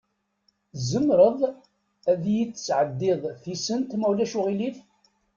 Tzemreḍ ad yid-tesɛeddiḍ tisent, ma ulac aɣilif?